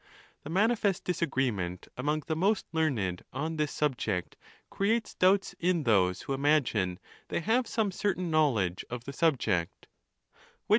The manifest disagreement among the most learned on this subject creates doubts in those who imagine they have some certain knowledge of the sub ject.